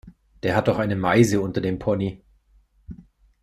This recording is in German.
Der hat doch eine Meise unter dem Ponny.